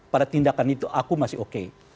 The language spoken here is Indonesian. pada tindakan itu aku masih oke